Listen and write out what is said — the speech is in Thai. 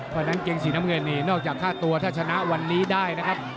เพราะฉะนั้นเกงสีน้ำเงินนี่นอกจากค่าตัวถ้าชนะวันนี้ได้นะครับ